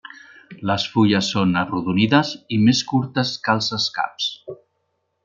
Les fulles són arrodonides i més curtes que els escaps.